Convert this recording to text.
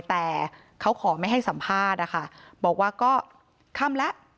แต่เขาขอไม่ให้สัมภาษณ์นะคะบอกว่าก็ค่ำแล้ว